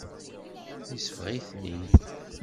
Yesbeɣ-iten-id.